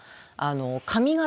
髪形